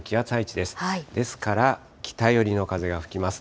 ですから、北寄りの風が吹きます。